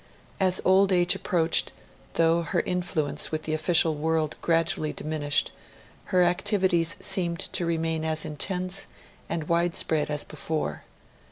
As old age approached, though her influence with the official world gradually diminished, her activities seemed to remain as intense and widespread as before.